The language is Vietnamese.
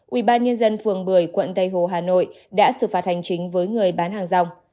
ubnd phường bưởi quận tây hồ hà nội đã xử phạt hành chính với người bán hàng rong